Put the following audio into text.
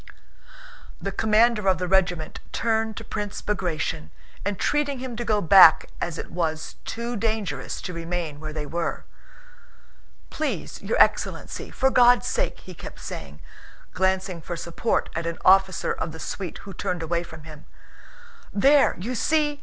The commander of the regiment turned to Prince Bagratión, entreating him to go back as it was too dangerous to remain where they were. "Please, your excellency, for God's sake!" he kept saying, glancing for support at an officer of the suite who turned away from him. "There, you see!"